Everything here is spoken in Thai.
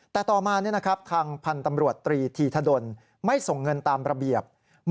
แต่ต่อมาทางพันธ์ตำรวจตรีธีธดลไม่ส่งเงินตามระเบียบ